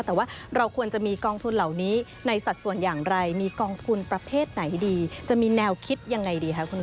แต่ว่าเราควรจะมีกองทุนเหล่านี้ในสัดส่วนอย่างไรมีกองทุนประเภทไหนดีจะมีแนวคิดยังไงดีคะคุณ